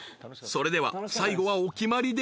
［それでは最後はお決まりで］